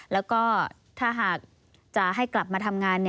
แล้วก็ถ้าหากจะให้กลับมาทำงาน